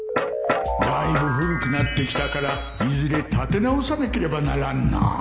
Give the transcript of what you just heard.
だいぶ古くなってきたからいずれ建て直さなければならんな